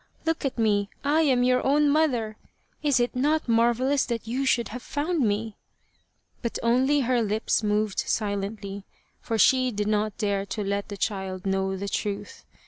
Look at me, I am your own mother ! Is it not marvel lous that you should have found me ?" But only her lips moved silently, for she did not dare to let the child know the truth.